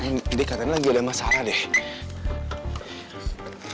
sayang deh katanya lagi ada masalah deh